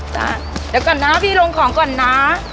จ้ะเดี๋ยวก่อนนะพี่ลงของก่อนนะ